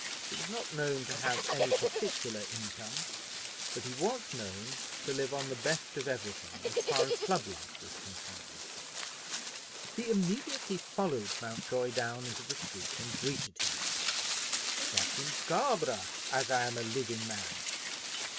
He was not known to have any particular income, but he was known to live on the best of everything as far as club life was concerned. He immediately followed Mountjoy down into the street and greeted him. "Captain Scarborough as I am a living man!"